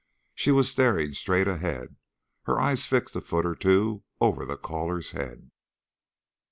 She was staring straight ahead, her eyes fixed a foot or two over the caller's head.